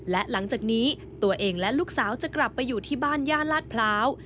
และหลังจากนี้ตัวเองและลูกสาวจะกลับไปอยู่ที่บ้านย่านลาดพร้าว